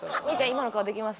今の顔できます？